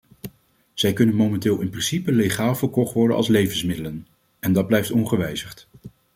Zij kunnen momenteel in principe legaal verkocht worden als levensmiddelen en dat blijft ongewijzigd.